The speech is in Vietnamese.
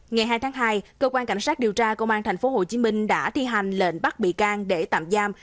ngày hai tháng hai cơ quan cảnh sát điều tra công an tp hcm đã thi hành lệnh bắt bị can để tạm giam